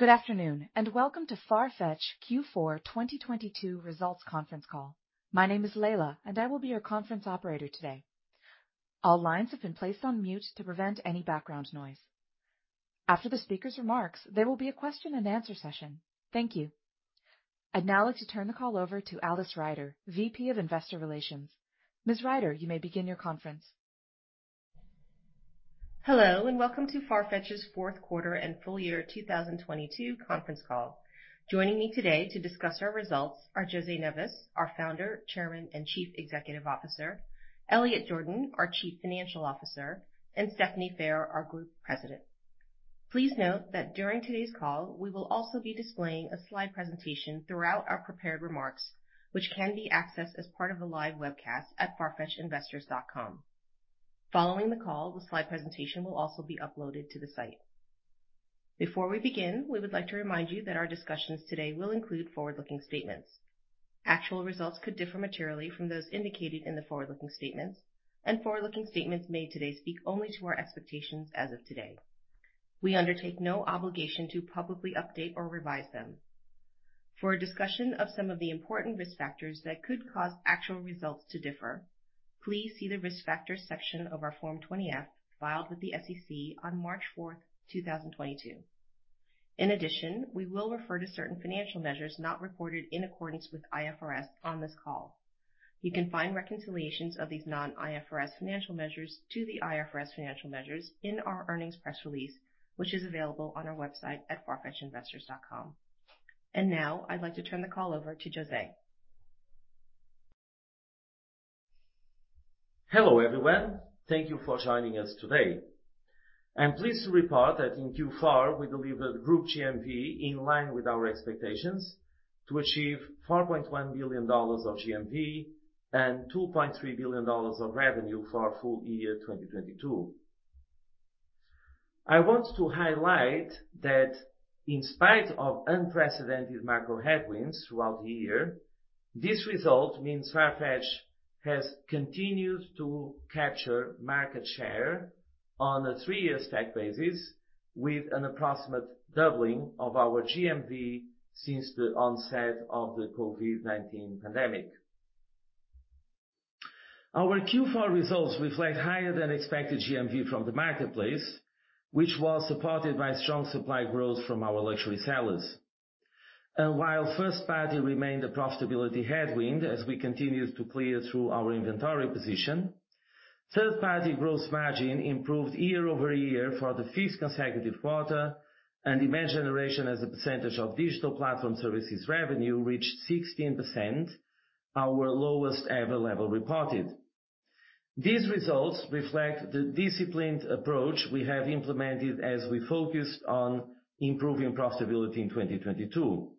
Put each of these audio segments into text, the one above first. Good afternoon, and welcome to Farfetch Q4 2022 Results Conference Call. My name is Layla, and I will be your conference operator today. All lines have been placed on mute to prevent any background noise. After the speaker's remarks, there will be a question-and-answer session. Thank you. I'd now like to turn the call over to Alice Ryder, VP of Investor Relations. Ms. Ryder, you may begin your conference. Hello, and welcome to Farfetch's fourth quarter and full year 2022 conference call. Joining me today to discuss our results are José Neves, our Founder, Chairman, and Chief Executive Officer, Elliot Jordan, our Chief Financial Officer, and Stephanie Phair, our Group President. Please note that during today's call, we will also be displaying a slide presentation throughout our prepared remarks, which can be accessed as part of the live webcast at farfetchinvestors.com. Following the call, the slide presentation will also be uploaded to the site. Before we begin, we would like to remind you that our discussions today will include forward-looking statements. Actual results could differ materially from those indicated in the forward-looking statements, and forward-looking statements made today speak only to our expectations as of today. We undertake no obligation to publicly update or revise them. For a discussion of some of the important risk factors that could cause actual results to differ, please see the Risk Factors section of our Form 20-F filed with the SEC on March 4, 2022. In addition, we will refer to certain financial measures not reported in accordance with IFRS on this call. You can find reconciliations of these non-IFRS financial measures to the IFRS financial measures in our earnings press release, which is available on our website at farfetchinvestors.com. Now, I'd like to turn the call over to José. Hello, everyone. Thank you for joining us today. I'm pleased to report that in Q4, we delivered group GMV in line with our expectations to achieve $4.1 billion of GMV and $2.3 billion of revenue for our full year 2022. I want to highlight that in spite of unprecedented macro headwinds throughout the year, this result means Farfetch has continued to capture market share on a three-year stack basis with an approximate doubling of our GMV since the onset of the COVID-19 pandemic. Our Q4 results reflect higher than expected GMV from the marketplace, which was supported by strong supply growth from our luxury sellers. While first party remained a profitability headwind as we continued to clear through our inventory position, third party gross margin improved year-over-year for the fifth consecutive quarter. Demand generation as a percentage of digital platform services revenue reached 16%, our lowest ever level reported. These results reflect the disciplined approach we have implemented as we focused on improving profitability in 2022.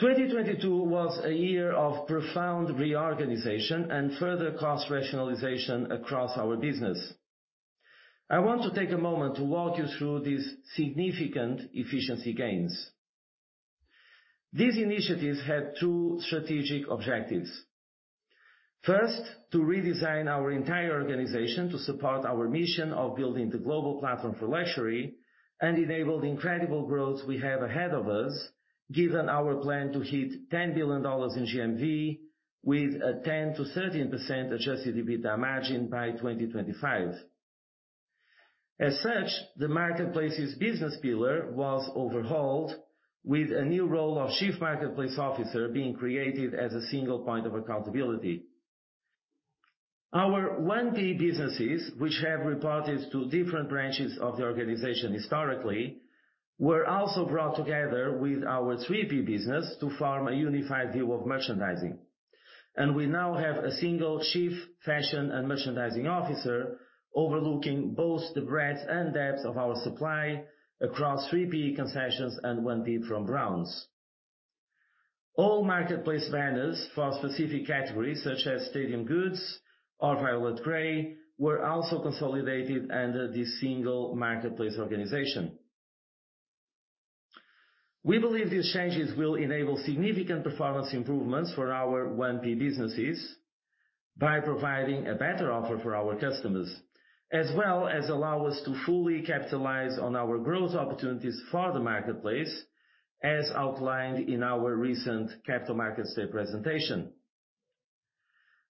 2022 was a year of profound reorganization and further cost rationalization across our business. I want to take a moment to walk you through these significant efficiency gains. These initiatives had two strategic objectives. First, to redesign our entire organization to support our mission of building the global platform for luxury and enable the incredible growth we have ahead of us, given our plan to hit $10 billion in GMV with a 10%-13% adjusted EBITDA margin by 2025. As such, the marketplace's business pillar was overhauled with a new role of chief marketplace officer being created as a single point of accountability. Our 1P businesses, which have reported to different branches of the organization historically, were also brought together with our 3P business to form a unified view of merchandising. We now have a single chief fashion and merchandising officer overlooking both the breadth and depth of our supply across 3P concessions and 1P from Browns. All marketplace banners for specific categories, such as Stadium Goods or Violet Grey, were also consolidated under this single marketplace organization. We believe these changes will enable significant performance improvements for our 1P businesses by providing a better offer for our customers, as well as allow us to fully capitalize on our growth opportunities for the marketplace, as outlined in our recent Capital Markets Day presentation.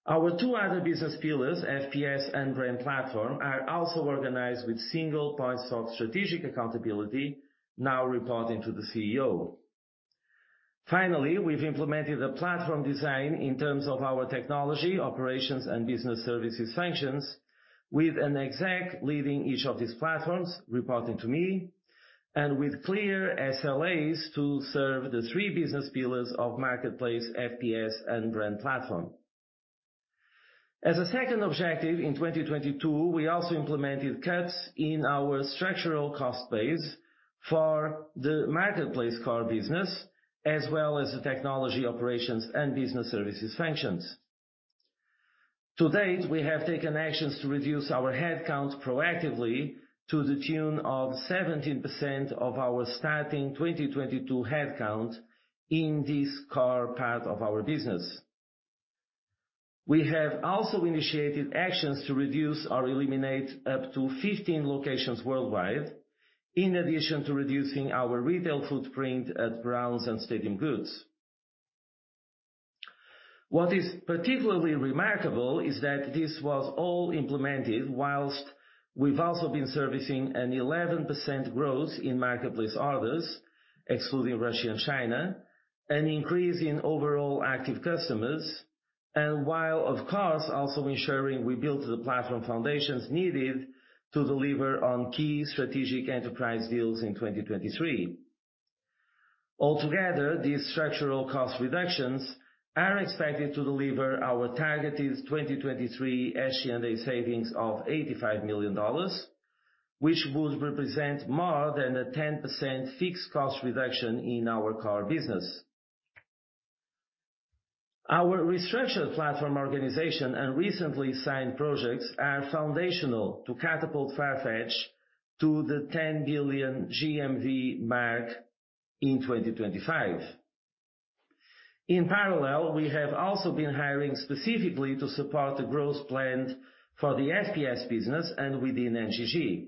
Our two other business pillars, FPS and Brand Platform, are also organized with single points of strategic accountability now reporting to the CEO. We've implemented a platform design in terms of our technology, operations, and business services sanctions with an exec leading each of these platforms reporting to me and with clear SLAs to serve the three business pillars of Marketplace, FPS, and Brand Platform. As a second objective in 2022, we also implemented cuts in our structural cost base for the marketplace core business, as well as the technology operations and business services functions. To date, we have taken actions to reduce our headcount proactively to the tune of 17% of our starting 2022 headcount in this core part of our business. We have also initiated actions to reduce or eliminate up to 15 locations worldwide, in addition to reducing our retail footprint at Browns and Stadium Goods. What is particularly remarkable is that this was all implemented whilst we've also been servicing an 11% growth in marketplace orders, excluding Russia and China, an increase in overall active customers, and while of course also ensuring we built the platform foundations needed to deliver on key strategic enterprise deals in 2023. Altogether, these structural cost reductions are expected to deliver our targeted 2023 SG&A savings of $85 million, which would represent more than a 10% fixed cost reduction in our core business. Our restructured platform organization and recently signed projects are foundational to catapult Farfetch to the $10 billion GMV mark in 2025. In parallel, we have also been hiring specifically to support the growth planned for the FPS business and within NGG.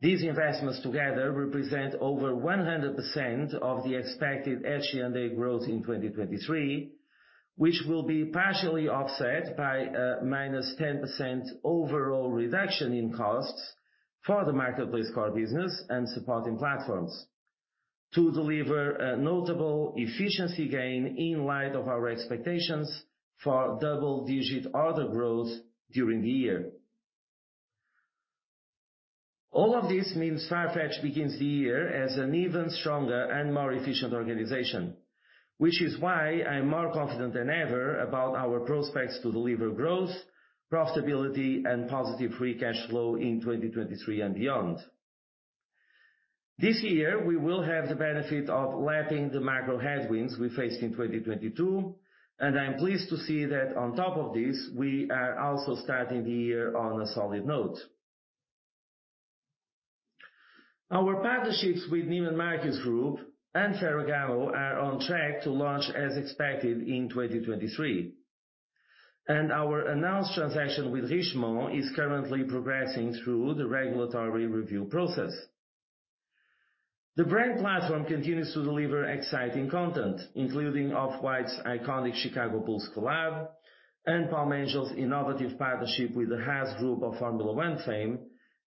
These investments together represent over 100% of the expected SG&A growth in 2023, which will be partially offset by a -10% overall reduction in costs for the marketplace core business and supporting platforms to deliver a notable efficiency gain in light of our expectations for double-digit order growth during the year. All of this means Farfetch begins the year as an even stronger and more efficient organization, which is why I'm more confident than ever about our prospects to deliver growth, profitability, and positive free cash flow in 2023 and beyond. This year, we will have the benefit of lapping the macro headwinds we faced in 2022, I'm pleased to see that on top of this, we are also starting the year on a solid note. Our partnerships with Neiman Marcus Group and Ferragamo are on track to launch as expected in 2023. Our announced transaction with Richemont is currently progressing through the regulatory review process. The brand platform continues to deliver exciting content, including Off-White's iconic Chicago Bulls collab and Palm Angels innovative partnership with the Haas Group of Formula One Team,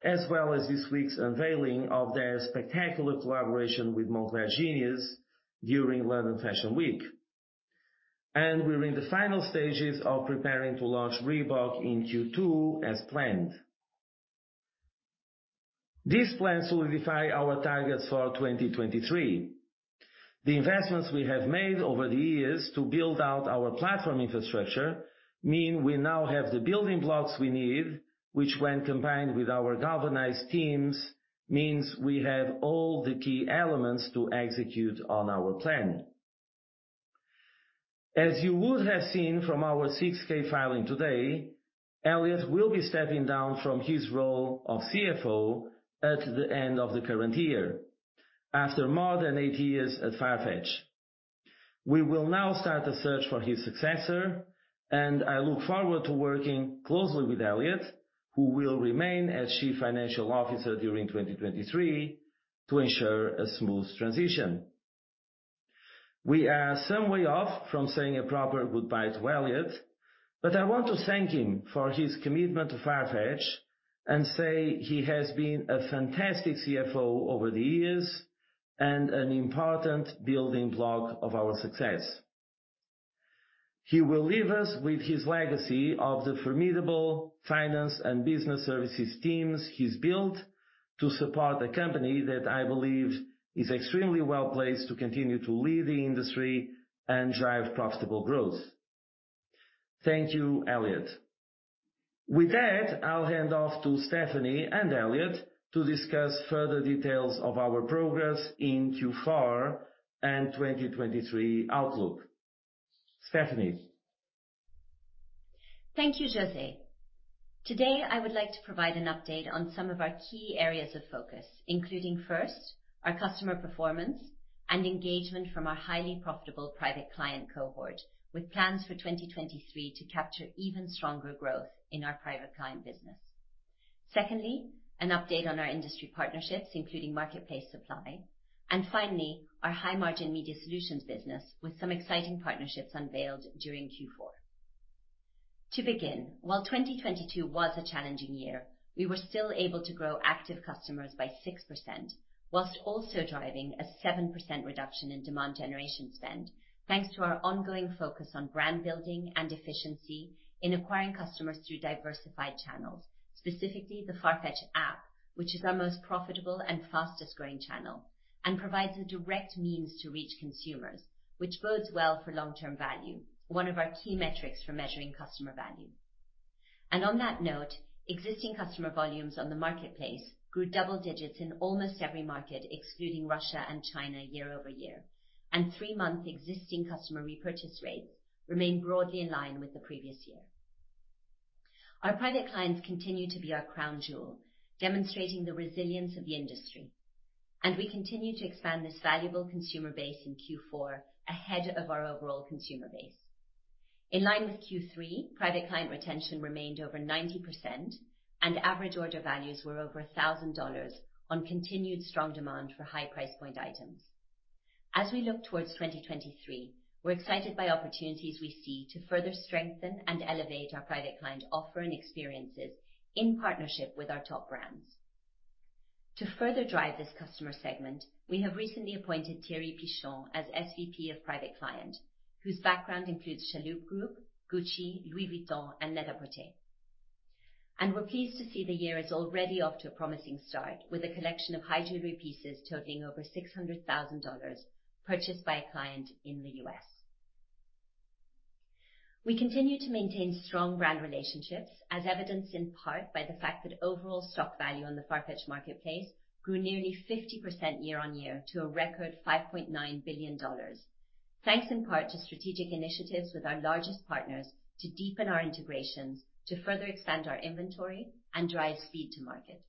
as well as this week's unveiling of their spectacular collaboration with Moncler Genius during London Fashion Week. We're in the final stages of preparing to launch Reebok in Q2 as planned. These plans solidify our targets for 2023. The investments we have made over the years to build out our platform infrastructure mean we now have the building blocks we need, which when combined with our galvanized teams, means we have all the key elements to execute on our plan. As you would have seen from our 6-K filing today, Elliot will be stepping down from his role of CFO at the end of the current year after more than eight years at Farfetch. We will now start a search for his successor. I look forward to working closely with Elliot, who will remain as chief financial officer during 2023, to ensure a smooth transition. We are some way off from saying a proper goodbye to Elliot, but I want to thank him for his commitment to Farfetch and say he has been a fantastic CFO over the years and an important building block of our success. He will leave us with his legacy of the formidable finance and business services teams he's built to support a company that I believe is extremely well-placed to continue to lead the industry and drive profitable growth. Thank you, Elliot. With that, I'll hand off to Stephanie and Elliot to discuss further details of our progress in Q4 and 2023 outlook. Stephanie? Thank you, José. Today, I would like to provide an update on some of our key areas of focus, including first, our customer performance and engagement from our highly profitable private client cohort, with plans for 2023 to capture even stronger growth in our private client business. Secondly, an update on our industry partnerships, including marketplace supply. Finally, our high-margin media solutions business with some exciting partnerships unveiled during Q4. While 2022 was a challenging year, we were still able to grow active customers by 6%, whilst also driving a 7% reduction in demand generation spend, thanks to our ongoing focus on brand building and efficiency in acquiring customers through diversified channels, specifically the Farfetch app, which is our most profitable and fastest-growing channel, and provides a direct means to reach consumers, which bodes well for long-term value, one of our key metrics for measuring customer value. On that note, existing customer volumes on the marketplace grew double-digits in almost every market, excluding Russia and China year-over-year, and three-month existing customer repurchase rates remain broadly in line with the previous year. Our private clients continue to be our crown jewel, demonstrating the resilience of the industry, and we continue to expand this valuable consumer base in Q4 ahead of our overall consumer base. In line with Q3, private client retention remained over 90% and average order values were over $1,000 on continued strong demand for high price point items. As we look towards 2023, we're excited by opportunities we see to further strengthen and elevate our private client offer and experiences in partnership with our top brands. To further drive this customer segment, we have recently appointed Thierry Pichon as SVP of Private Client, whose background includes Chalhoub Group, Gucci, Louis Vuitton, and Les Ambassadeurs. We're pleased to see the year is already off to a promising start with a collection of high jewelry pieces totaling over $600,000 purchased by a client in the U.S. We continue to maintain strong brand relationships as evidenced in part by the fact that overall stock value on the Farfetch marketplace grew nearly 50% year-on-year to a record $5.9 billion. Thanks in part to strategic initiatives with our largest partners to deepen our integrations to further expand our inventory and drive speed to market.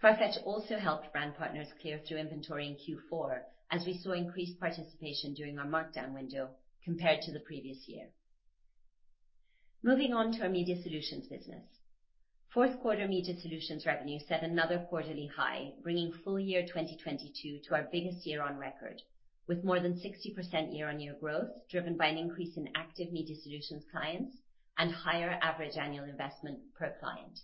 Farfetch also helped brand partners clear through inventory in Q4 as we saw increased participation during our markdown window compared to the previous year. Moving on to our media solutions business. Fourth quarter media solutions revenue set another quarterly high, bringing full year 2022 to our biggest year on record, with more than 60% year-on-year growth, driven by an increase in active media solutions clients and higher average annual investment per client.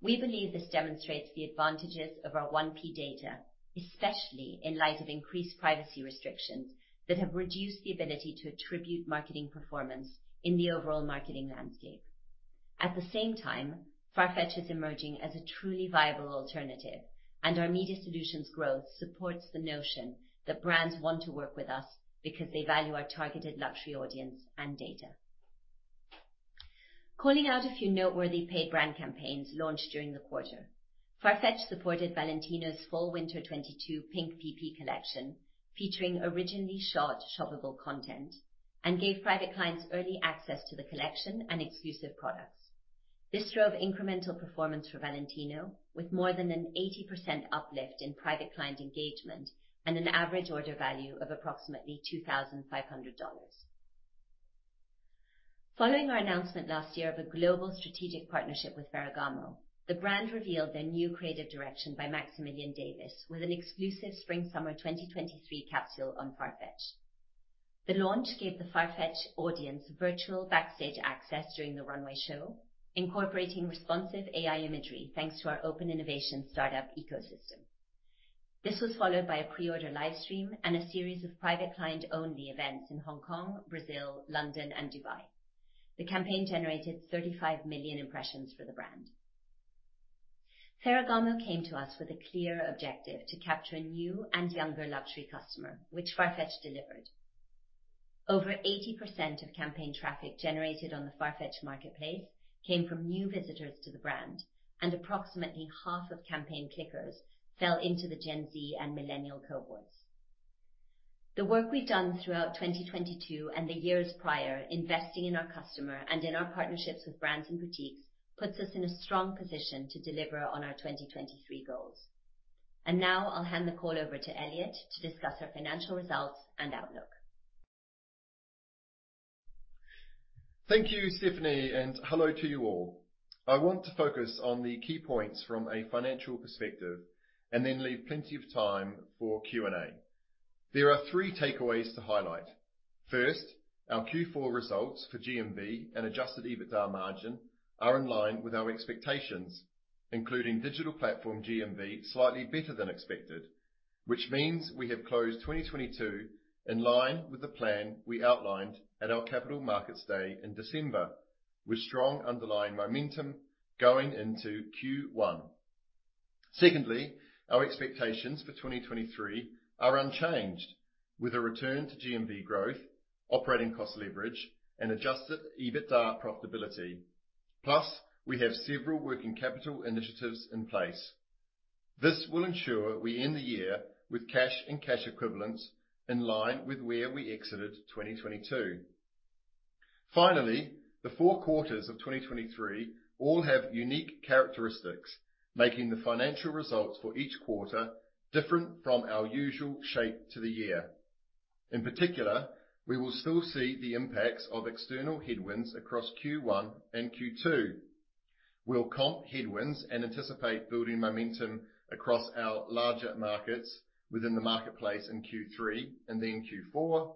We believe this demonstrates the advantages of our 1P data, especially in light of increased privacy restrictions that have reduced the ability to attribute marketing performance in the overall marketing landscape. At the same time, Farfetch is emerging as a truly viable alternative. Our media solutions growth supports the notion that brands want to work with us because they value our targeted luxury audience and data. Calling out a few noteworthy paid brand campaigns launched during the quarter. Farfetch supported Valentino's Fall/Winter 2022 Pink PP collection, featuring originally short shoppable content and gave private clients early access to the collection and exclusive products. This drove incremental performance for Valentino with more than an 80% uplift in private client engagement and an average order value of approximately $2,500. Following our announcement last year of a global strategic partnership with Ferragamo, the brand revealed their new creative direction by Maximilian Davis with an exclusive Spring/Summer 2023 capsule on Farfetch. The launch gave the Farfetch audience virtual backstage access during the runway show, incorporating responsive AI imagery, thanks to our open innovation start-up ecosystem. This was followed by a pre-order live stream and a series of private client only events in Hong Kong, Brazil, London, and Dubai. The campaign generated 35 million impressions for the brand. Ferragamo came to us with a clear objective to capture a new and younger luxury customer, which Farfetch delivered. Over 80% of campaign traffic generated on the Farfetch marketplace came from new visitors to the brand, and approximately half of campaign clickers fell into the Gen Z and millennial cohorts. The work we've done throughout 2022 and the years prior, investing in our customer and in our partnerships with brands and boutiques, puts us in a strong position to deliver on our 2023 goals. Now I'll hand the call over to Elliot to discuss our financial results and outlook. Thank you, Stephanie, and hello to you all. I want to focus on the key points from a financial perspective and then leave plenty of time for Q&A. There are three takeaways to highlight. First, our Q4 results for GMV and adjusted EBITDA margin are in line with our expectations, including digital platform GMV slightly better than expected, which means we have closed 2022 in line with the plan we outlined at our Capital Markets Day in December, with strong underlying momentum going into Q1. Secondly, our expectations for 2023 are unchanged, with a return to GMV growth, operating cost leverage, and adjusted EBITDA profitability. Plus, we have several working capital initiatives in place. This will ensure we end the year with cash and cash equivalents in line with where we exited 2022. The four quarters of 2023 all have unique characteristics, making the financial results for each quarter different from our usual shape to the year. In particular, we will still see the impacts of external headwinds across Q1 and Q2. We'll comp headwinds and anticipate building momentum across our larger markets within the marketplace in Q3 and then Q4.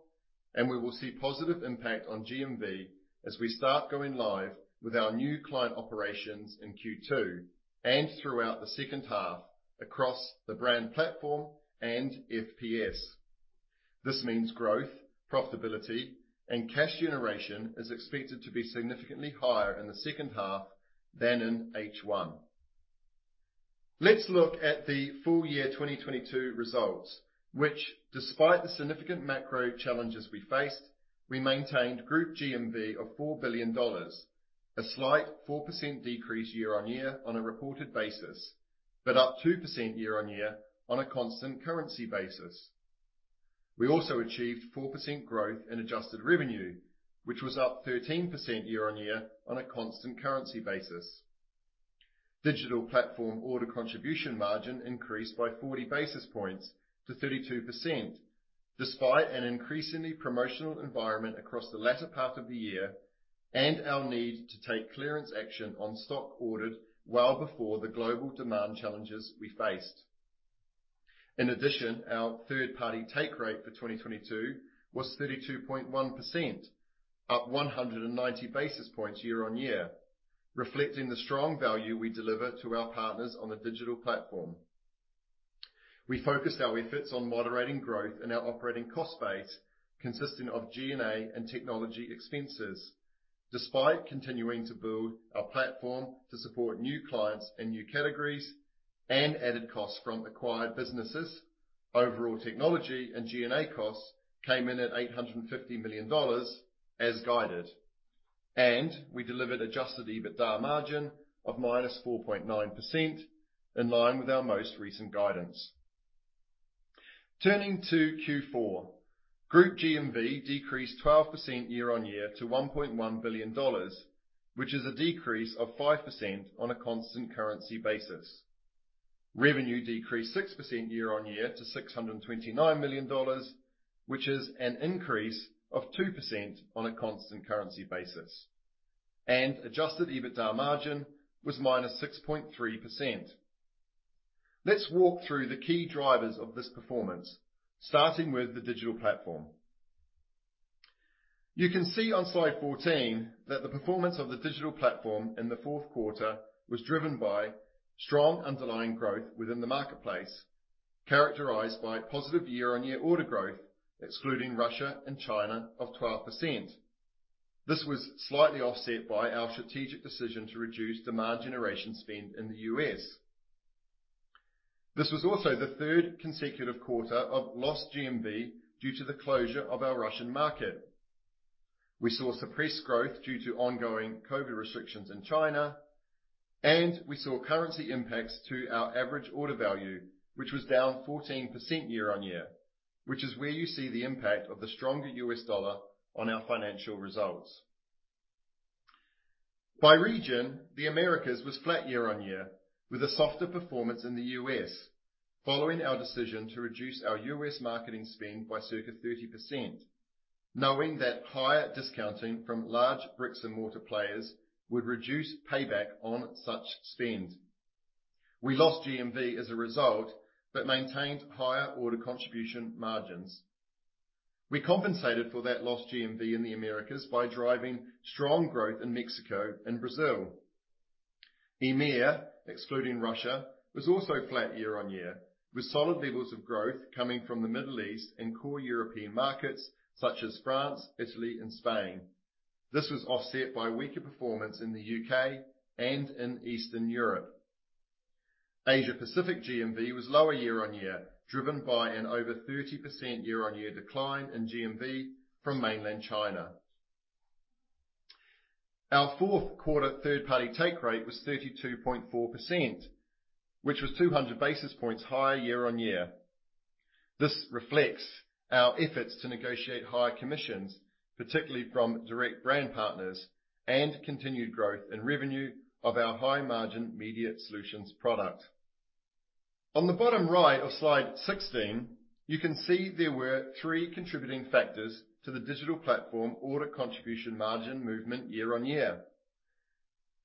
We will see positive impact on GMV as we start going live with our new client operations in Q2 and throughout the second half across the brand platform and FPS. This means growth, profitability, and cash generation is expected to be significantly higher in the second half than in H1. Let's look at the full year 2022 results, which despite the significant macro challenges we faced, we maintained group GMV of $4 billion, a slight 4% decrease year-on-year on a reported basis, but up 2% year-on-year on a constant currency basis. We also achieved 4% growth in adjusted revenue, which was up 13% year-on-year on a constant currency basis. Digital platform order contribution margin increased by 40 basis points to 32%, despite an increasingly promotional environment across the latter part of the year and our need to take clearance action on stock ordered well before the global demand challenges we faced. In addition, our third-party take rate for 2022 was 32.1%, up 190 basis points year-on-year, reflecting the strong value we deliver to our partners on the digital platform. We focused our efforts on moderating growth in our operating cost base, consisting of G&A and technology expenses. Despite continuing to build our platform to support new clients and new categories and added costs from acquired businesses, overall technology and G&A costs came in at $850 million as guided, and we delivered adjusted EBITDA margin of -4.9% in line with our most recent guidance. Turning to Q4, group GMV decreased 12% year-on-year to $1.1 billion, which is a decrease of 5% on a constant currency basis. Revenue decreased 6% year-on-year to $629 million, which is an increase of 2% on a constant currency basis. Adjusted EBITDA margin was -6.3%. Let's walk through the key drivers of this performance, starting with the digital platform. You can see on slide 14 that the performance of the digital platform in the fourth quarter was driven by strong underlying growth within the marketplace, characterized by positive year-on-year order growth, excluding Russia and China of 12%. This was slightly offset by our strategic decision to reduce demand generation spend in the U.S. This was also the third consecutive quarter of lost GMV due to the closure of our Russian market. We saw suppressed growth due to ongoing COVID restrictions in China, and we saw currency impacts to our average order value, which was down 14% year-on-year, which is where you see the impact of the stronger U.S. dollar on our financial results. By region, the Americas was flat year-on-year with a softer performance in the U.S. following our decision to reduce our U.S. marketing spend by circa 30%, knowing that higher discounting from large bricks and mortar players would reduce payback on such spend. We lost GMV as a result, but maintained higher order contribution margins. We compensated for that lost GMV in the Americas by driving strong growth in Mexico and Brazil. EMEA, excluding Russia, was also flat year-on-year with solid levels of growth coming from the Middle East and core European markets such as France, Italy and Spain. This was offset by weaker performance in the U.K. and in Eastern Europe. Asia-Pacific GMV was lower year-on-year, driven by an over 30% year-on-year decline in GMV from mainland China. Our fourth quarter third-party take rate was 32.4%, which was 200 basis points higher year-on-year. This reflects our efforts to negotiate higher commissions, particularly from direct brand partners and continued growth in revenue of our high margin media solutions product. On the bottom right of slide 16, you can see there were three contributing factors to the digital platform order contribution margin movement year-on-year.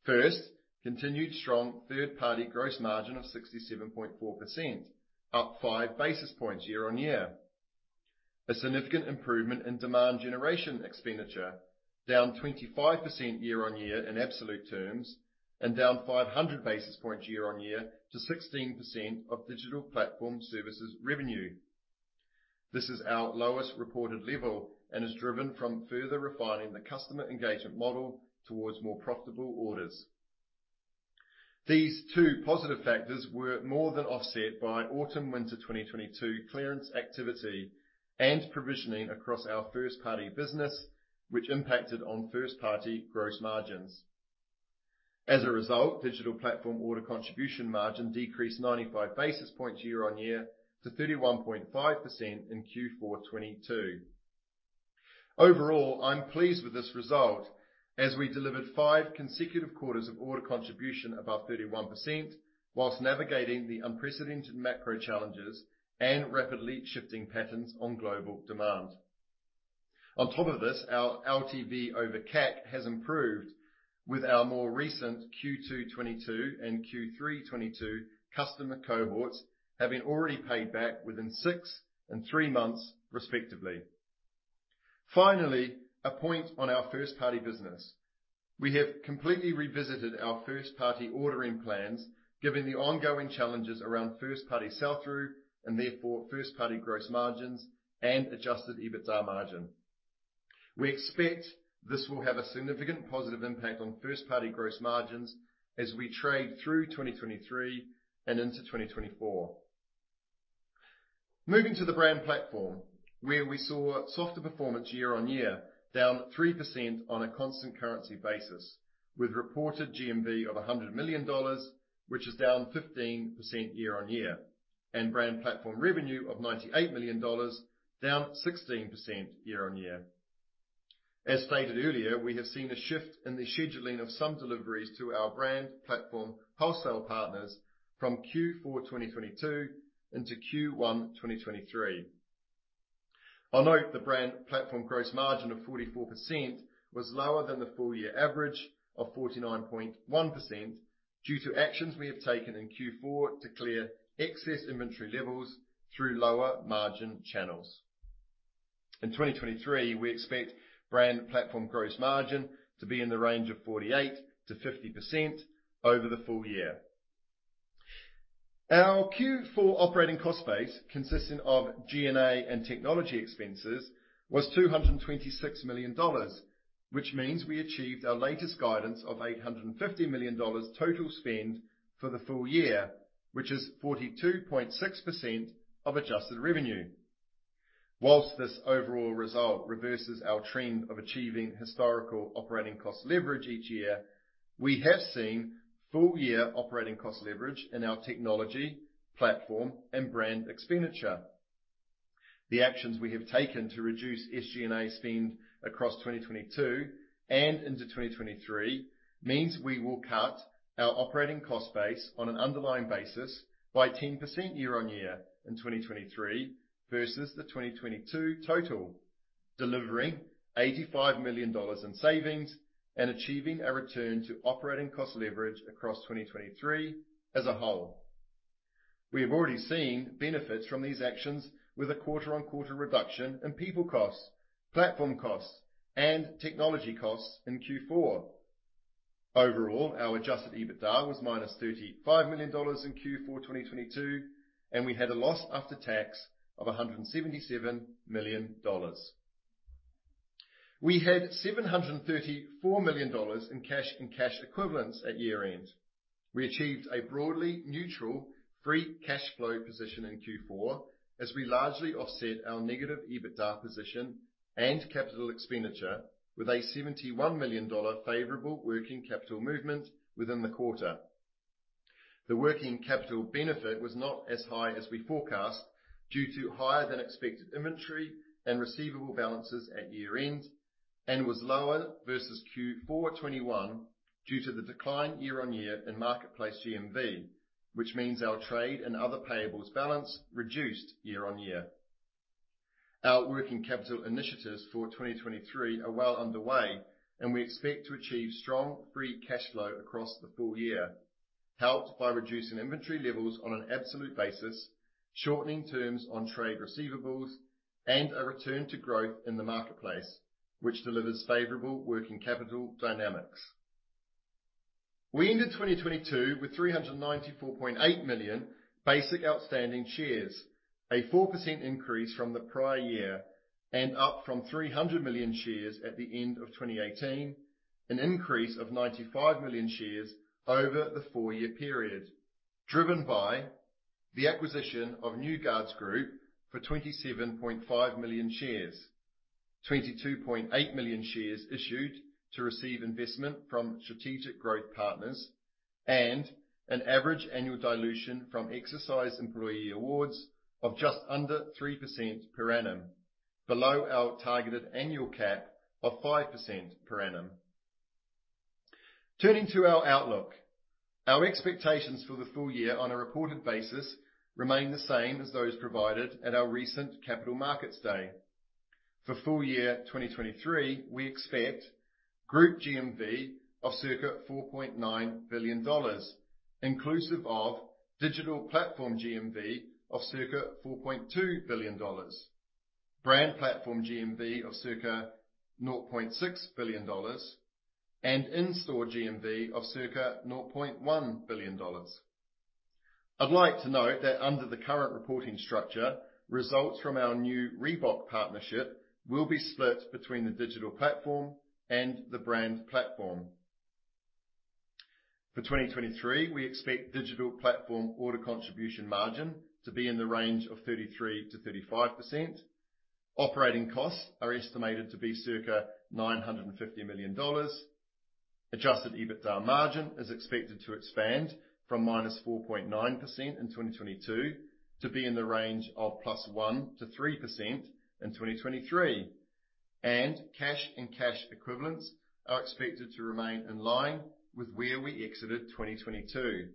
First, continued strong third-party gross margin of 67.4%, up 5 basis points year-on-year. A significant improvement in demand generation expenditure down 25% year-on-year in absolute terms and down 500 basis points year-on-year to 16% of digital platform services revenue. This is our lowest reported level and is driven from further refining the customer engagement model towards more profitable orders. These two positive factors were more than offset by autumn winter 2022 clearance activity and provisioning across our first party business which impacted on first party gross margins. As a result, digital platform order contribution margin decreased 95 basis points year-on-year to 31.5% in Q4 2022. Overall, I'm pleased with this result as we delivered five consecutive quarters of order contribution above 31% whilst navigating the unprecedented macro challenges and rapidly shifting patterns on global demand. On top of this, our LTV over CAC has improved with our more recent Q2 2022 and Q3 2022 customer cohorts having already paid back within six and three months respectively. Finally, a point on our first party business. We have completely revisited our first party ordering plans given the ongoing challenges around first party sell through and therefore first party gross margins and adjusted EBITDA margin. We expect this will have a significant positive impact on first party gross margins as we trade through 2023 and into 2024. Moving to the Brand Platform where we saw softer performance year-on-year down 3% on a constant currency basis with reported GMV of $100 million which is down 15% year-on-year and Brand Platform revenue of $98 million down 16% year-on-year. As stated earlier, we have seen a shift in the scheduling of some deliveries to our Brand Platform wholesale partners from Q4 2022 into Q1 2023. I'll note the Brand Platform gross margin of 44% was lower than the full year average of 49.1% due to actions we have taken in Q4 to clear excess inventory levels through lower margin channels. In 2023, we expect Brand Platform gross margin to be in the range of 48%-50% over the full year. Our Q4 operating cost base, consisting of G&A and technology expenses, was $226 million, which means we achieved our latest guidance of $850 million total spend for the full year, which is 42.6% of adjusted revenue. Whilst this overall result reverses our trend of achieving historical operating cost leverage each year, we have seen full year operating cost leverage in our technology, platform, and brand expenditure. The actions we have taken to reduce SG&A spend across 2022 and into 2023 means we will cut our operating cost base on an underlying basis by 10% year-over-year in 2023 versus the 2022 total, delivering $85 million in savings and achieving a return to operating cost leverage across 2023 as a whole. We have already seen benefits from these actions with a quarter-on-quarter reduction in people costs, platform costs, and technology costs in Q4. Overall, our adjusted EBITDA was -$35 million in Q4 2022, and we had a loss after tax of $177 million. We had $734 million in cash and cash equivalents at year-end. We achieved a broadly neutral free cash flow position in Q4 as we largely offset our negative EBITDA position and capital expenditure with a $71 million favorable working capital movement within the quarter. The working capital benefit was not as high as we forecast due to higher than expected inventory and receivable balances at year-end, and was lower versus Q4 '21 due to the decline year-on-year in marketplace GMV, which means our trade and other payables balance reduced year-on-year. Our working capital initiatives for 2023 are well underway. We expect to achieve strong free cash flow across the full year, helped by reducing inventory levels on an absolute basis, shortening terms on trade receivables, and a return to growth in the marketplace, which delivers favorable working capital dynamics. We ended 2022 with 394.8 million basic outstanding shares, a 4% increase from the prior year and up from 300 million shares at the end of 2018, an increase of 95 million shares over the four-year period, driven by the acquisition of New Guards Group for 27.5 million shares, 22.8 million shares issued to receive investment from strategic growth partners, an average annual dilution from exercise employee awards of just under 3% per annum, below our targeted annual cap of 5% per annum. Turning to our outlook. Our expectations for the full year on a reported basis remain the same as those provided at our recent Capital Markets Day. For full year 2023, we expect group GMV of circa $4.9 billion, inclusive of digital platform GMV of circa $4.2 billion, brand platform GMV of circa $0.6 billion, and in-store GMV of circa $0.1 billion. I'd like to note that under the current reporting structure, results from our new Reebok partnership will be split between the digital platform and the brand platform. For 2023, we expect digital platform order contribution margin to be in the range of 33%-35%. Operating costs are estimated to be circa $950 million. Adjusted EBITDA margin is expected to expand from -4.9% in 2022 to be in the range of +1% to 3% in 2023. Cash and cash equivalents are expected to remain in line with where we exited 2022.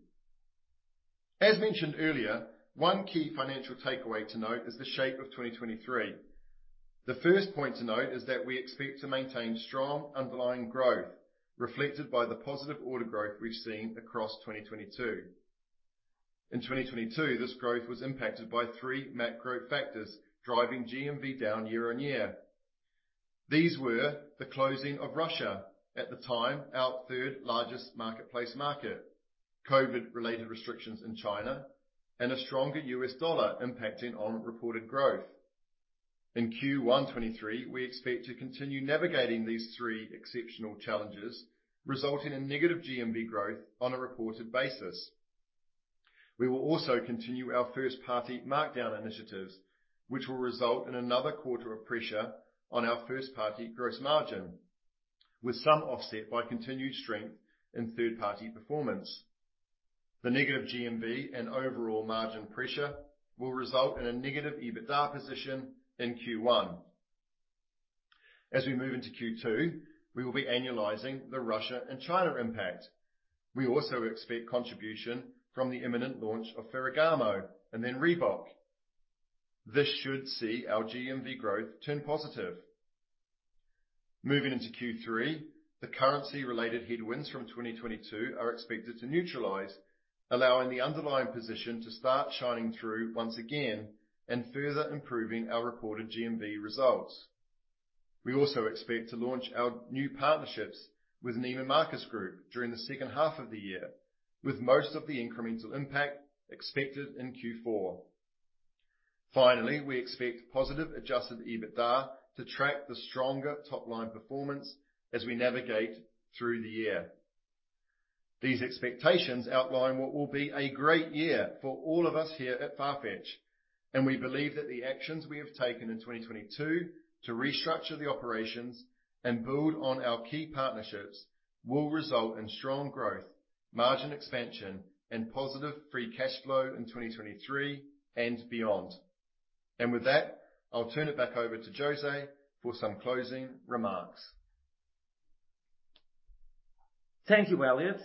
As mentioned earlier, one key financial takeaway to note is the shape of 2023. The first point to note is that we expect to maintain strong underlying growth reflected by the positive order growth we've seen across 2022. In 2022, this growth was impacted by three macro factors driving GMV down year-over-year. These were the closing of Russia, at the time our third largest marketplace market, COVID-related restrictions in China, and a stronger US dollar impacting on reported growth. In Q1 '23, we expect to continue navigating these three exceptional challenges, resulting in negative GMV growth on a reported basis. We will also continue our first party markdown initiatives, which will result in another quarter of pressure on our first party gross margin, with some offset by continued strength in third-party performance. The negative GMV and overall margin pressure will result in a negative EBITDA position in Q1. As we move into Q2, we will be annualizing the Russia and China impact. We also expect contribution from the imminent launch of Ferragamo and then Reebok. This should see our GMV growth turn positive. Moving into Q3, the currency related headwinds from 2022 are expected to neutralize, allowing the underlying position to start shining through once again and further improving our reported GMV results. We also expect to launch our new partnerships with Neiman Marcus Group during the second half of the year, with most of the incremental impact expected in Q4. Finally, we expect positive adjusted EBITDA to track the stronger top-line performance as we navigate through the year. These expectations outline what will be a great year for all of us here at Farfetch, and we believe that the actions we have taken in 2022 to restructure the operations and build on our key partnerships will result in strong growth, margin expansion and positive free cash flow in 2023 and beyond. With that, I'll turn it back over to José for some closing remarks. Thank you, Elliot.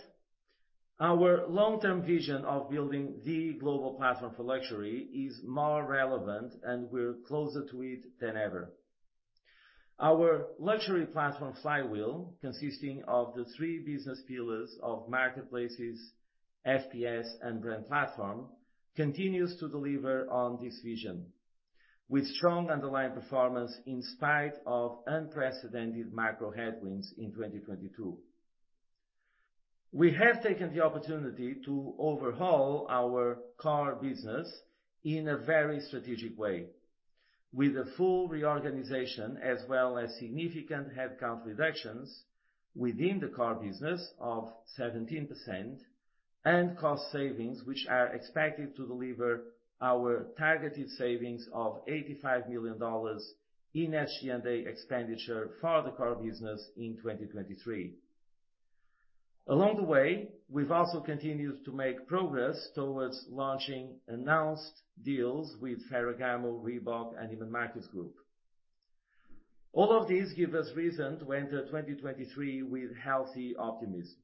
Our long-term vision of building the global platform for luxury is more relevant, and we're closer to it than ever. Our luxury platform flywheel, consisting of the three business pillars of marketplaces, FPS and brand platform, continues to deliver on this vision with strong underlying performance in spite of unprecedented macro headwinds in 2022. We have taken the opportunity to overhaul our core business in a very strategic way, with a full reorganization as well as significant headcount reductions within the core business of 17%. Cost savings which are expected to deliver our targeted savings of $85 million in SG&A expenditure for the core business in 2023. Along the way, we've also continued to make progress towards launching announced deals with Ferragamo, Reebok and Neiman Marcus Group. All of this give us reason to enter 2023 with healthy optimism.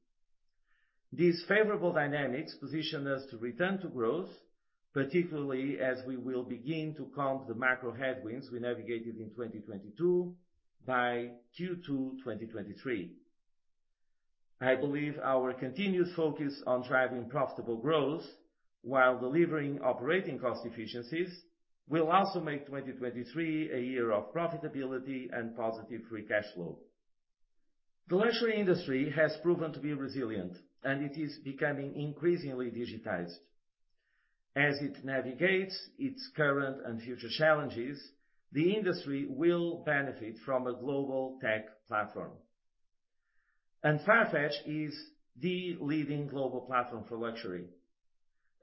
These favorable dynamics position us to return to growth, particularly as we will begin to comp the macro headwinds we navigated in 2022 by Q2 2023. I believe our continuous focus on driving profitable growth while delivering operating cost efficiencies will also make 2023 a year of profitability and positive free cash flow. The luxury industry has proven to be resilient, it is becoming increasingly digitized. As it navigates its current and future challenges, the industry will benefit from a global tech platform. Farfetch is the leading global platform for luxury,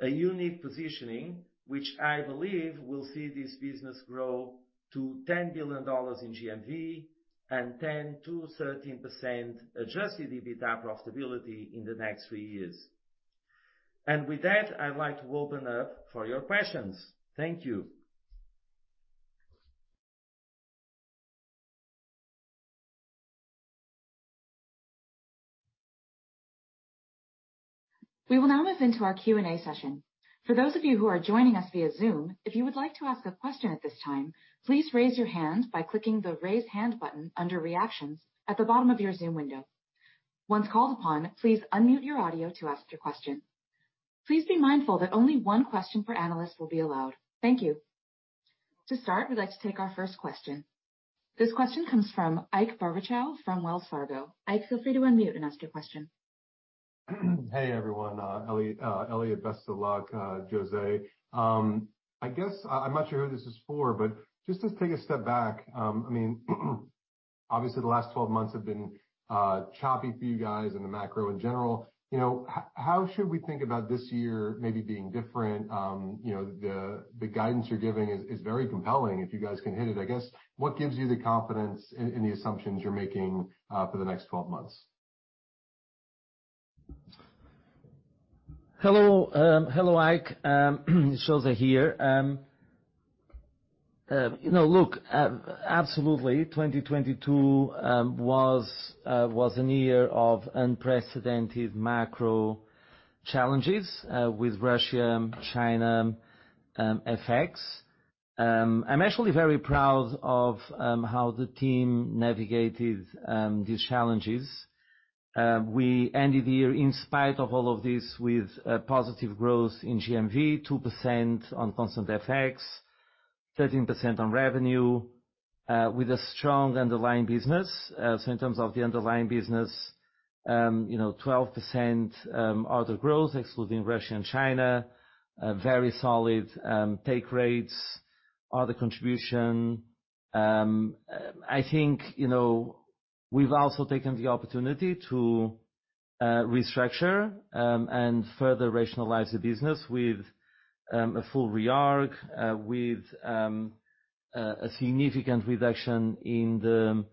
a unique positioning which I believe will see this business grow to $10 billion in GMV and 10%-13% adjusted EBITDA profitability in the next three years. With that, I'd like to open up for your questions. Thank you? We will now move into our Q&A session. For those of you who are joining us via Zoom, if you would like to ask a question at this time, please raise your hand by clicking the Raise Hand button under Reactions at the bottom of your Zoom window. Once called upon, please unmute your audio to ask your question. Please be mindful that only one question per analyst will be allowed. Thank you. To start, we'd like to take our first question. This question comes from Ike Boruchow from Wells Fargo. Ike, feel free to unmute and ask your question. Hey, everyone. Elliot, best of luck. José, I guess I'm not sure who this is for, but just to take a step back, I mean, obviously the last 12 months have been choppy for you guys and the macro in general. You know, how should we think about this year maybe being different? You know, the guidance you're giving is very compelling if you guys can hit it. I guess, what gives you the confidence in the assumptions you're making for the next 12 months? Hello. Hello, Ike. José here. You know, look, absolutely 2022 was an year of unprecedented macro challenges, with Russia, China, FX. I'm actually very proud of how the team navigated these challenges. We ended the year in spite of all of this with positive growth in GMV, 2% on constant FX, 13% on revenue, with a strong underlying business. In terms of the underlying business, you know, 12% order growth excluding Russia and China, very solid take rates, order contribution. I think, you know, we've also taken the opportunity to restructure and further rationalize the business with- A full reorg with a significant reduction in the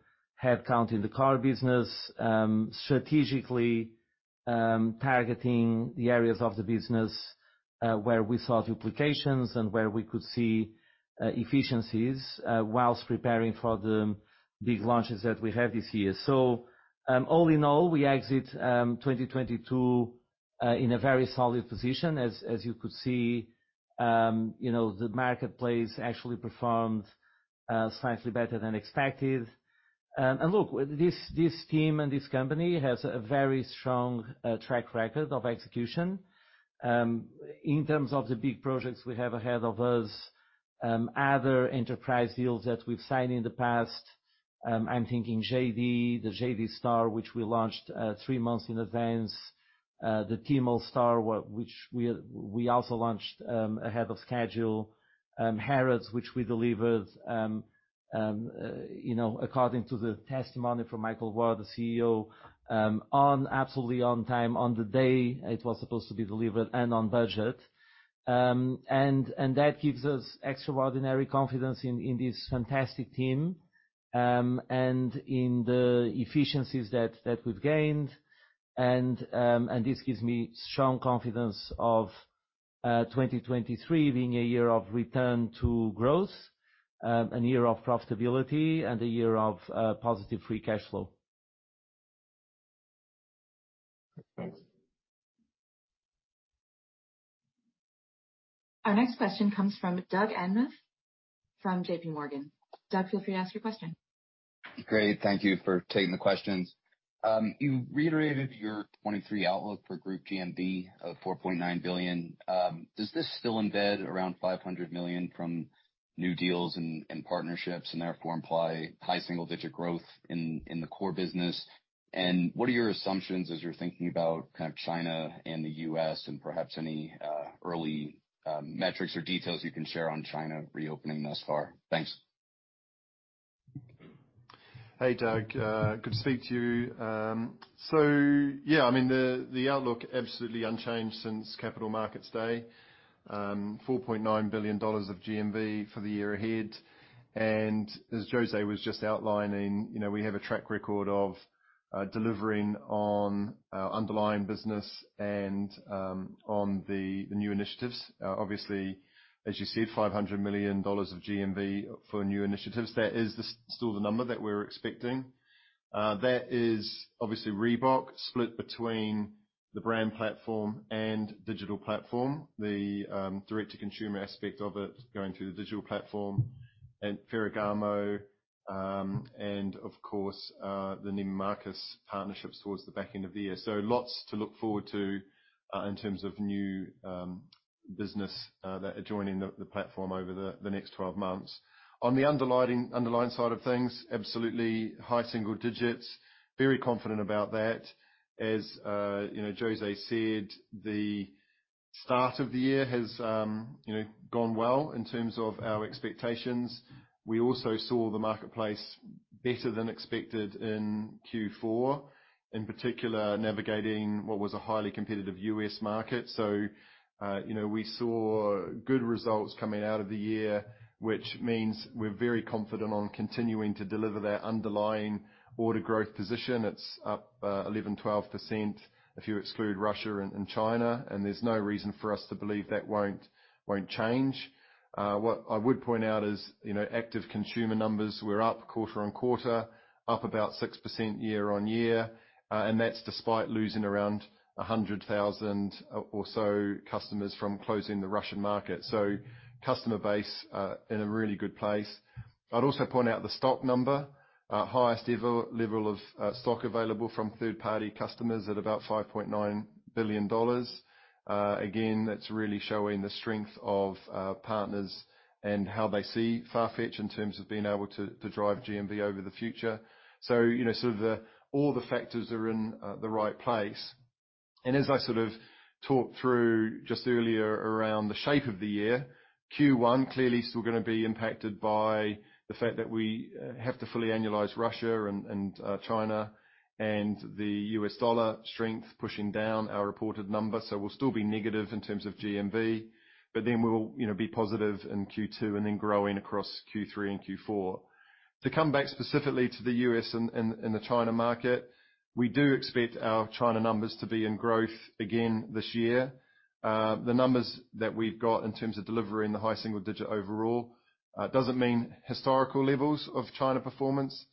headcount in the car business, strategically targeting the areas of the business where we saw duplications and where we could see efficiencies whilst preparing for the big launches that we have this year. All in all, we exit 2022 in a very solid position. As you could see, you know, the marketplace actually performed slightly better than expected. Look, this team and this company has a very strong track record of execution. In terms of the big projects we have ahead of us, other enterprise deals that we've signed in the past, I'm thinking JV, the JV star, which we launched, Three months in advance, the Tmall star, which we also launched ahead of schedule, Harrods, which we delivered, you know, according to the testimony from Michael Ward, the CEO, on absolutely on time, on the day it was supposed to be delivered and on budget. That gives us extraordinary confidence in this fantastic team, and in the efficiencies that we've gained, and this gives me strong confidence of 2023 being a year of return to growth, a year of profitability and a year of positive free cash flow. Thanks. Our next question comes from Doug Anmuth, from JPMorgan. Doug, feel free to ask your question. Great. Thank you for taking the questions. You reiterated your 2023 outlook for group GMV of $4.9 billion. Does this still embed around $500 million from new deals and partnerships and therefore imply high single-digit growth in the core business? What are your assumptions as you're thinking about kind of China and the US and perhaps any early metrics or details you can share on China reopening thus far? Thanks. Hey, Doug. good to speak to you. Yeah, I mean, the outlook absolutely unchanged since Capital Markets Day. $4.9 billion of GMV for the year ahead. As José was just outlining, you know, we have a track record of delivering on our underlying business and on the new initiatives. Obviously, as you said, $500 million of GMV for new initiatives. That is still the number that we're expecting. That is obviously Reebok split between the brand platform and digital platform, the direct to consumer aspect of it going through the digital platform and Ferragamo, and of course, the Neiman Marcus partnerships towards the back end of the year. Lots to look forward to in terms of new business that are joining the platform over the next 12 months. On the underlying side of things, absolutely high single digits. Very confident about that. As you know, José said, the start of the year has, you know, gone well in terms of our expectations. We also saw the marketplace better than expected in Q4, in particular, navigating what was a highly competitive U.S. market. You know, we saw good results coming out of the year, which means we're very confident on continuing to deliver that underlying order growth position. It's up 11%-12% if you exclude Russia and China, and there's no reason for us to believe that won't change. What I would point out is, you know, active consumer numbers were up quarter-on-quarter, up about 6% year-on-year, and that's despite losing around 100,000 or so customers from closing the Russian market. Customer base, in a really good place. I'd also point out the stock number, highest level of stock available from third party customers at about $5.9 billion. Again, that's really showing the strength of our partners and how they see Farfetch in terms of being able to drive GMV over the future. You know, sort of the all the factors are in the right place. As I sort of talked through just earlier around the shape of the year, Q1 clearly still gonna be impacted by the fact that we have to fully annualize Russia and China and the US dollar strength pushing down our reported numbers. We'll still be negative in terms of GMV, we'll, you know, be positive in Q2 and then growing across Q3 and Q4. To come back specifically to the US and the China market, we do expect our China numbers to be in growth again this year. The numbers that we've got in terms of delivering the high single digit overall doesn't mean historical levels of China performance.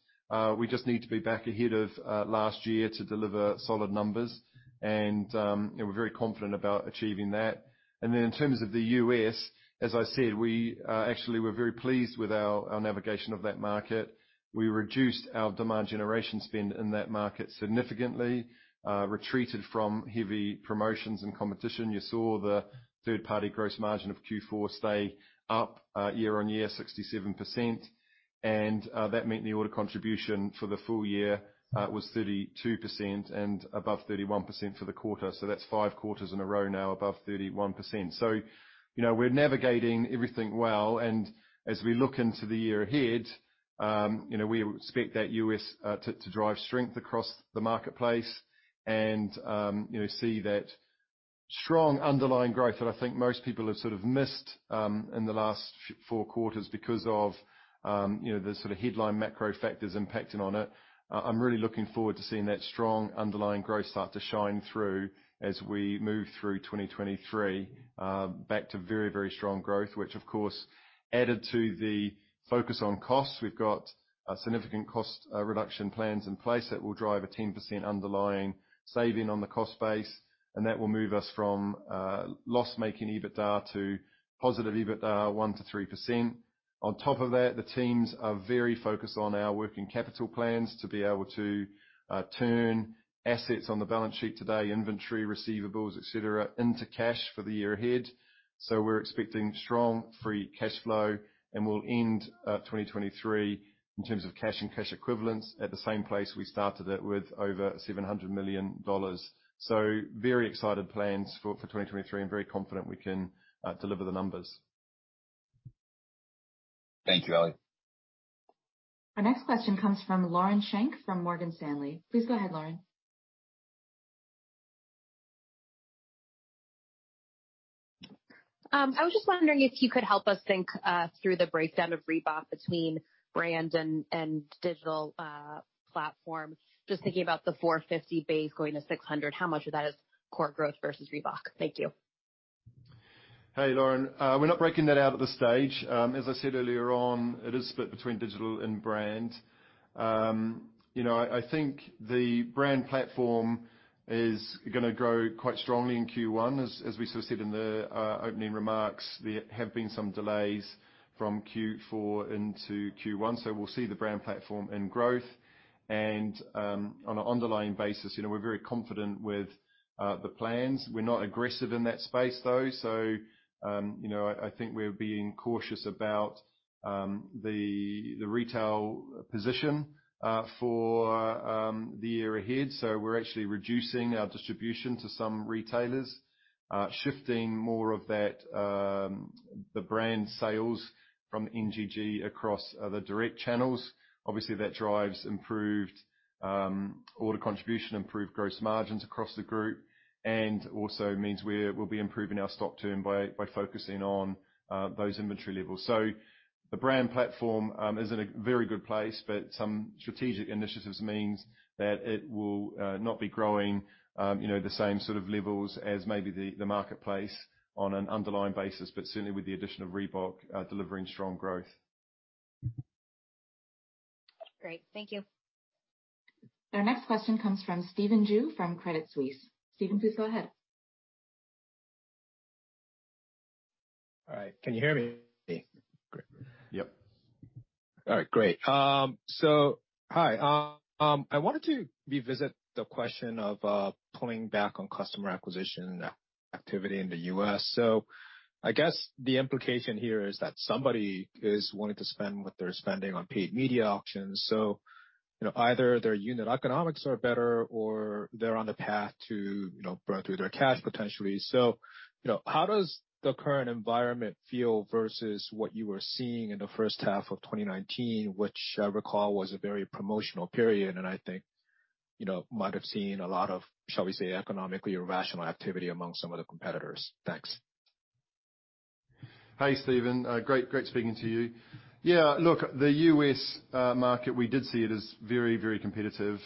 We just need to be back ahead of last year to deliver solid numbers and we're very confident about achieving that. Then in terms of the US, as I said, we actually we're very pleased with our navigation of that market. We reduced our demand generation spend in that market significantly, retreated from heavy promotions and competition. You saw the third party gross margin of Q4 stay up year-on-year, 67%. That meant the order contribution for the full year was 32% and above 31% for the quarter. That's five quarters in a row now above 31%. You know, we're navigating everything well. As we look into the year ahead, you know, we expect that U.S. to drive strength across the marketplace and, you know, see that strong underlying growth that I think most people have sort of missed in the last four quarters because of, you know, the sort of headline macro factors impacting on it. I'm really looking forward to seeing that strong underlying growth start to shine through as we move through 2023, back to very, very strong growth, which, of course, added to the focus on costs. We've got significant cost reduction plans in place that will drive a 10% underlying saving on the cost base, and that will move us from loss-making EBITDA to positive EBITDA 1%-3%. On top of that, the teams are very focused on our working capital plans to be able to turn assets on the balance sheet today, inventory, receivables, et cetera, into cash for the year ahead. We're expecting strong free cash flow, and we'll end 2023, in terms of cash and cash equivalents, at the same place we started it, with over $700 million. Very excited plans for 2023 and very confident we can deliver the numbers. Thank you, Elliot. Our next question comes from Lauren Schenk from Morgan Stanley. Please go ahead, Lauren. I was just wondering if you could help us think through the breakdown of Reebok between brand and digital platform. Just thinking about the $450 base going to $600, how much of that is core growth versus Reebok? Thank you. Hey, Lauren. We're not breaking that out at this stage. As I said earlier on, it is split between digital and brand. You know, I think the brand platform is gonna grow quite strongly in Q1. As we sort of said in the opening remarks, there have been some delays from Q4 into Q1. We'll see the brand platform in growth. On an underlying basis, you know, we're very confident with the plans. We're not aggressive in that space, though. You know, I think we're being cautious about the retail position for the year ahead. We're actually reducing our distribution to some retailers, shifting more of that the brand sales from NGG across other direct channels. Obviously, that drives improved order contribution, improved gross margins across the group, and also means we'll be improving our stock turn by focusing on those inventory levels. The brand platform is in a very good place, but some strategic initiatives means that it will not be growing, you know, the same sort of levels as maybe the marketplace on an underlying basis, but certainly with the addition of Reebok, delivering strong growth. Great. Thank you. Our next question comes from Stephen Ju from Credit Suisse. Stephen, please go ahead. All right. Can you hear me? Great. Yep. All right, great. Hi. I wanted to revisit the question of pulling back on customer acquisition activity in the U.S. I guess the implication here is that somebody is wanting to spend what they're spending on paid media auctions. You know, either their unit economics are better or they're on the path to, you know, burn through their cash potentially. You know, how does the current environment feel versus what you were seeing in the first half of 2019, which I recall was a very promotional period and I think, you know, might have seen a lot of, shall we say, economically irrational activity among some of the competitors? Thanks. Hey, Stephen. Great speaking to you. Yeah, look, the U.S. market, we did see it as very, very competitive,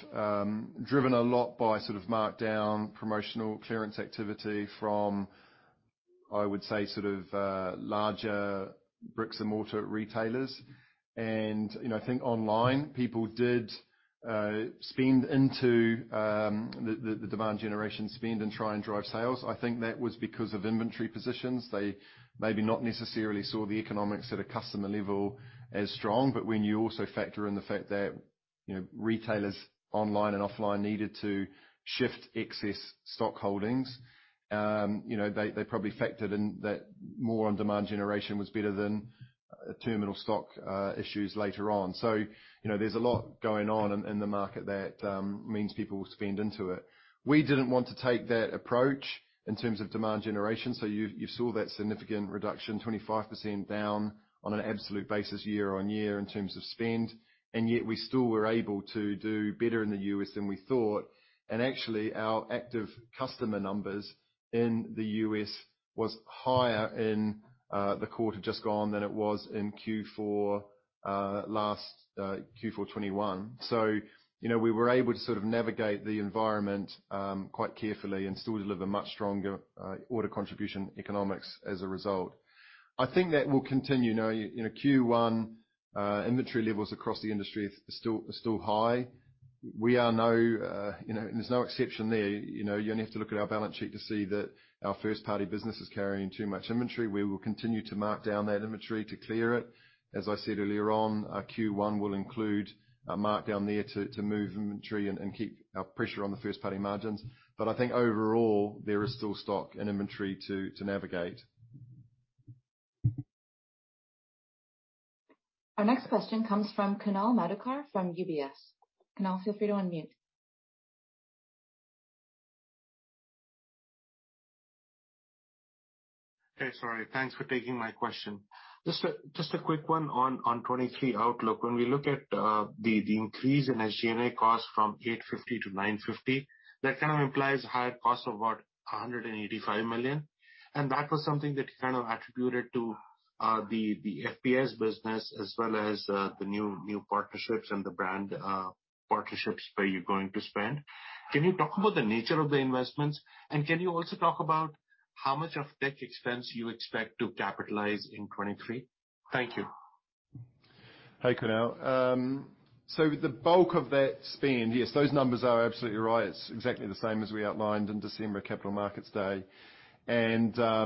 driven a lot by sort of markdown promotional clearance activity from, I would say, sort of larger bricks and mortar retailers. You know, I think online people did spend into the demand generation spend and try and drive sales. I think that was because of inventory positions. They maybe not necessarily saw the economics at a customer level as strong. When you also factor in the fact that, you know, retailers online and offline needed to shift excess stock holdings, you know, they probably factored in that more on demand generation was better than terminal stock issues later on. you know, there's a lot going on in the market that means people will spend into it. We didn't want to take that approach in terms of demand generation. you saw that significant reduction, 25% down on an absolute basis year-over-year in terms of spend, and yet we still were able to do better in the U.S. than we thought. actually, our active customer numbers in the U.S. was higher in the quarter just gone than it was in Q4 last Q4 2021. you know, we were able to sort of navigate the environment quite carefully and still deliver much stronger order contribution economics as a result. I think that will continue. Now, you know, Q1 inventory levels across the industry is still high. We are no, you know. There's no exception there. You know, you only have to look at our balance sheet to see that our first party business is carrying too much inventory. We will continue to mark down that inventory to clear it. As I said earlier on, Q1 will include a mark down there to move inventory and keep our pressure on the first party margins. I think overall, there is still stock and inventory to navigate. Our next question comes from Kunal Madhukar from UBS. Kunal, feel free to unmute. Hey, sorry. Thanks for taking my question. Just a quick one on 2023 outlook. When we look at the increase in SG&A costs from 850 to 950, that kind of implies higher costs of about $185 million, and that was something that you kind of attributed to the FPS business as well as the new partnerships and the brand partnerships where you're going to spend. Can you talk about the nature of the investments, and can you also talk about how much of tech expense you expect to capitalize in 2023? Thank you. Hey, Kunal. The bulk of that spend, yes, those numbers are absolutely right. It's exactly the same as we outlined in December Capital Markets Day. The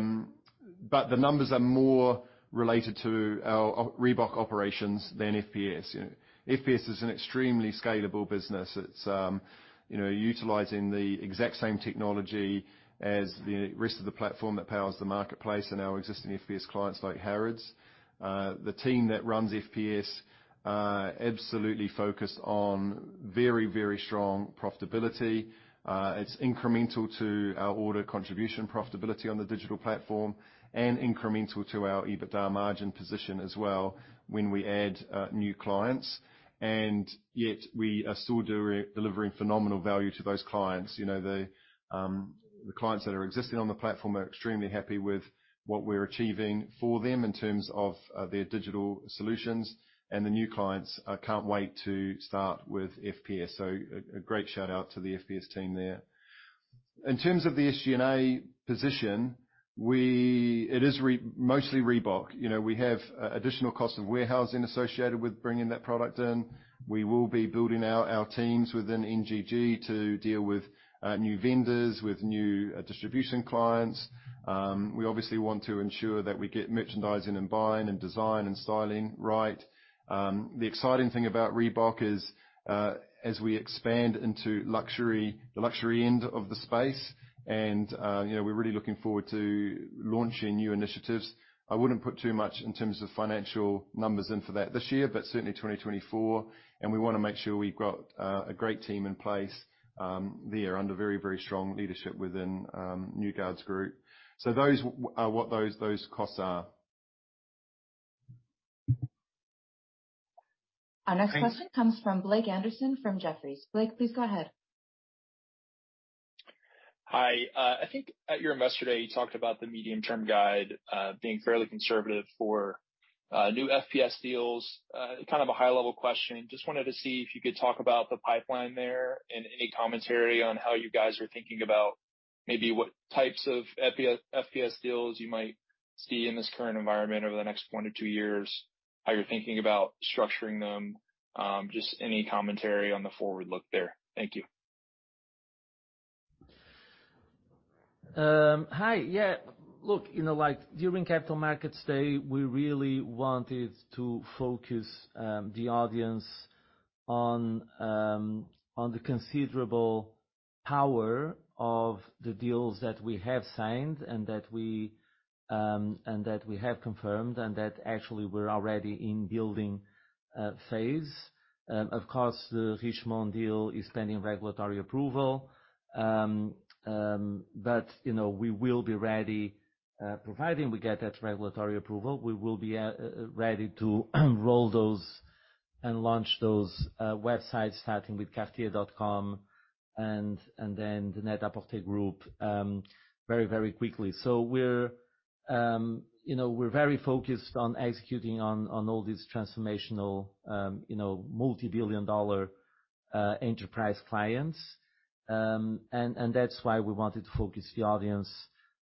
numbers are more related to our Reebok operations than FPS. You know, FPS is an extremely scalable business. It's, you know, utilizing the exact same technology as the rest of the platform that powers the marketplace and our existing FPS clients like Harrods. The team that runs FPS, absolutely focused on very, very strong profitability. It's incremental to our order contribution profitability on the digital platform and incremental to our EBITDA margin position as well when we add new clients. Yet, we are still delivering phenomenal value to those clients. You know, the clients that are existing on the platform are extremely happy with what we're achieving for them in terms of their digital solutions. The new clients can't wait to start with FPS. A great shout out to the FPS team there. In terms of the SG&A position, it is mostly Reebok. You know, we have additional cost of warehousing associated with bringing that product in. We will be building out our teams within NGG to deal with new vendors, with new distribution clients. We obviously want to ensure that we get merchandising and buying and design and styling right. The exciting thing about Reebok is as we expand into luxury, the luxury end of the space and, you know, we're really looking forward to launching new initiatives. I wouldn't put too much in terms of financial numbers in for that this year, but certainly 2024. We wanna make sure we've got a great team in place there under very, very strong leadership within New Guards Group. Those are what those costs are. Thank you. Our next question comes from Blake Anderson from Jefferies. Blake, please go ahead. Hi. I think at your Investor Day, you talked about the medium-term guide, being fairly conservative for new FPS deals. Kind of a high-level question. Just wanted to see if you could talk about the pipeline there and any commentary on how you guys are thinking about maybe what types of FPS deals you might see in this current environment over the next 1-2 years, how you're thinking about structuring them. Just any commentary on the forward look there. Thank you. Hi. Yeah, look, you know, like, during Capital Markets Day, we really wanted to focus the audience on the considerable power of the deals that we have signed and that we and that we have confirmed and that actually we're already in building phase. Of course, the Richemont deal is pending regulatory approval. You know, we will be ready, providing we get that regulatory approval, we will be ready to roll those and launch those websites starting with cartier.com and then the Net-a-Porter Group very, very quickly. We're, you know, we're very focused on executing on all these transformational, you know, multibillion-dollar enterprise clients. That's why we wanted to focus the audience,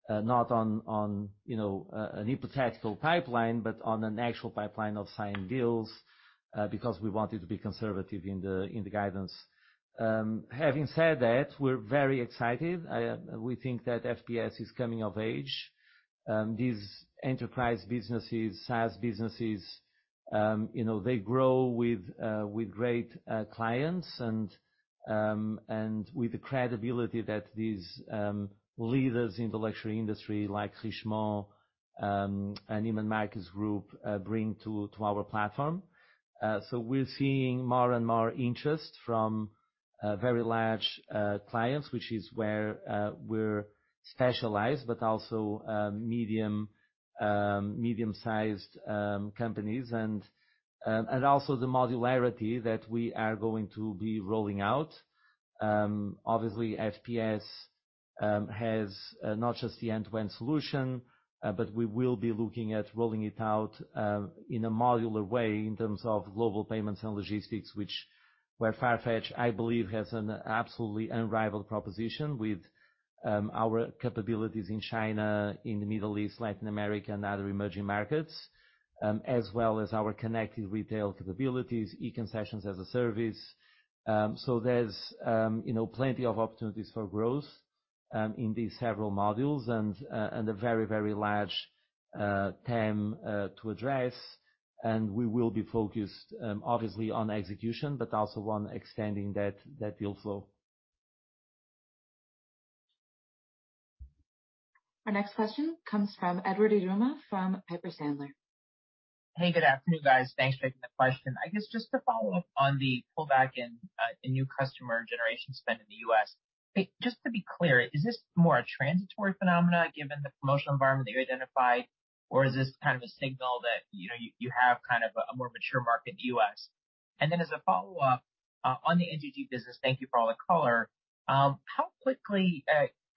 not on, you know, an hypothetical pipeline, but on an actual pipeline of signed deals, because we wanted to be conservative in the guidance. Having said that, we're very excited. We think that FPS is coming of age. These enterprise businesses, SaaS businesses, you know, they grow with great clients and with the credibility that these leaders in the luxury industry, like Richemont, and Neiman Marcus Group, bring to our platform. We're seeing more and more interest from very large clients, which is where we're specialized, but also medium-sized companies. Also the modularity that we are going to be rolling out. Obviously, FPS has not just the end-to-end solution, but we will be looking at rolling it out in a modular way in terms of global payments and logistics, which where Farfetch, I believe, has an absolutely unrivaled proposition with our capabilities in China, in the Middle East, Latin America, and other emerging markets, as well as our connected retail capabilities, E-Concessions as a service. There's, you know, plenty of opportunities for growth in these several modules and a very, very large TAM to address. We will be focused, obviously on execution, but also on extending that deal flow. Our next question comes from Edward Yruma from Piper Sandler. Hey, good afternoon, guys. Thanks for taking the question. I guess just to follow up on the pullback in new customer generation spend in the U.S. Just to be clear, is this more a transitory phenomenon given the promotional environment that you identified, or is this kind of a signal that, you know, you have kind of a more mature market in the U.S.? Then as a follow-up on the NGG business, thank you for all the color. How quickly,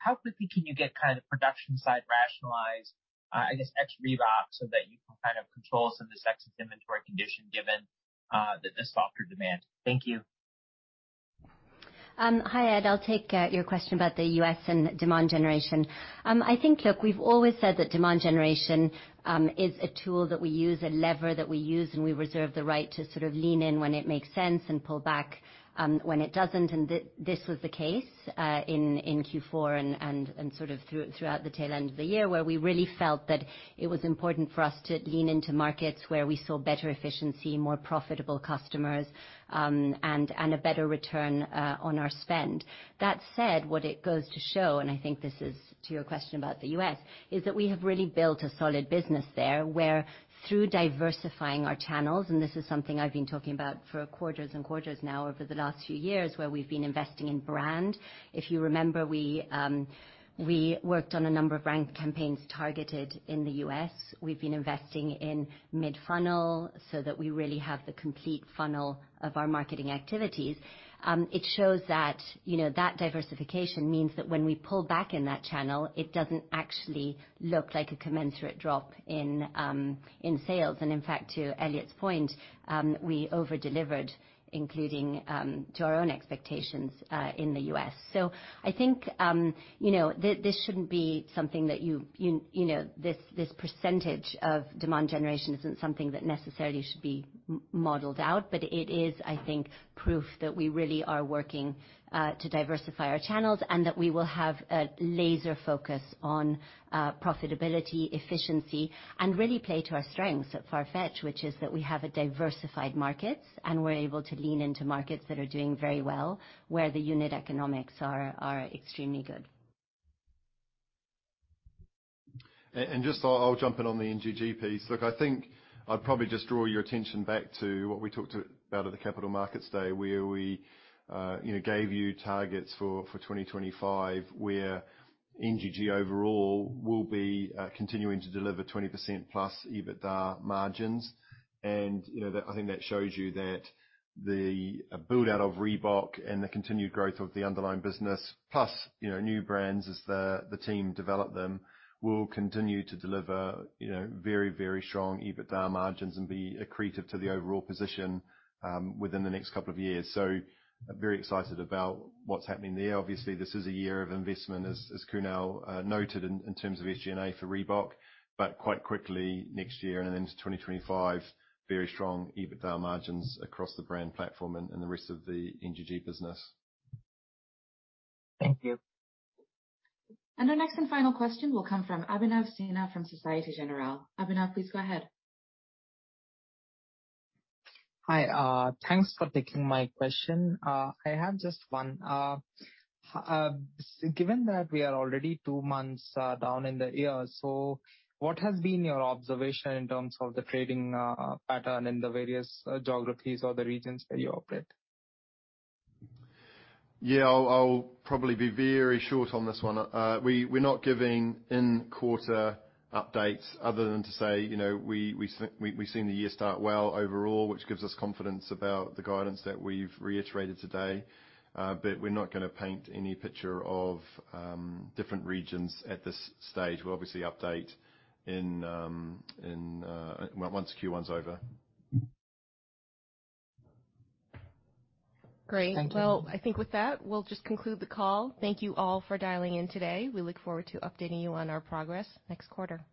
how quickly can you get kind of production side rationalized, I guess ex-Reebok, so that you can kind of control some of this excess inventory condition given the softer demand? Thank you. Hi, Ed, I'll take your question about the U.S. and demand generation. I think look, we've always said that demand generation is a tool that we use, a lever that we use, and we reserve the right to sort of lean in when it makes sense and pull back when it doesn't. This was the case in Q4 and throughout the tail end of the year, where we really felt that it was important for us to lean into markets where we saw better efficiency, more profitable customers, and a better return on our spend. That said, what it goes to show, and I think this is to your question about the U.S., is that we have really built a solid business there, where through diversifying our channels, and this is something I've been talking about for quarters and quarters now over the last few years, where we've been investing in brand. If you remember, we worked on a number of brand campaigns targeted in the U.S. We've been investing in mid-funnel so that we really have the complete funnel of our marketing activities. It shows that, you know, that diversification means that when we pull back in that channel, it doesn't actually look like a commensurate drop in sales. In fact, to Elliot's point, we over-delivered, including to our own expectations, in the U.S. I think, you know, this shouldn't be something that you know, this percentage of demand generation isn't something that necessarily should be modeled out, but it is, I think, proof that we really are working to diversify our channels and that we will have a laser focus on profitability, efficiency, and really play to our strengths at Farfetch, which is that we have diversified markets and we're able to lean into markets that are doing very well, where the unit economics are extremely good. Just I'll jump in on the NGG piece. Look, I think I'd probably just draw your attention back to what we talked about at the Capital Markets Day, where we, you know, gave you targets for 2025, where NGG overall will be continuing to deliver 20%+ EBITDA margins. You know, that, I think that shows you that the build-out of Reebok and the continued growth of the underlying business plus, you know, new brands as the team develop them, will continue to deliver, you know, very, very strong EBITDA margins and be accretive to the overall position within the next couple of years. Very excited about what's happening there. Obviously, this is a year of investment as Kunal noted in terms of SG&A for Reebok, but quite quickly next year and into 2025, very strong EBITDA margins across the brand platform and the rest of the NGG business. Thank you. Our next and final question will come from Abhinav Sinha from Société Générale. Abhinav, please go ahead. Hi. Thanks for taking my question. I have just one. Given that we are already two months down in the year, what has been your observation in terms of the trading pattern in the various geographies or the regions where you operate? Yeah. I'll probably be very short on this one. We, we're not giving in quarter updates other than to say, you know, we've seen the year start well overall, which gives us confidence about the guidance that we've reiterated today. We're not gonna paint any picture of, different regions at this stage. We'll obviously update in, once Q1's over. Great. Thank you. Well, I think with that, we'll just conclude the call. Thank you all for dialing in today. We look forward to updating you on our progress next quarter.